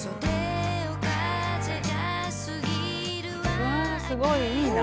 うわすごいいいな。